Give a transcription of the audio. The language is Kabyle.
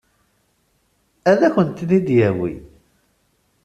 Ad kent-ten-id-yawi?